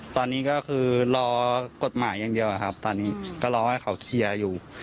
ตอนนี้ก็คือรอกฎหมายอย่างเดียวครับตอนนี้ก็รอให้เขาเคลียร์อยู่